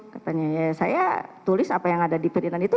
katanya ya saya tulis apa yang ada di perikanan itu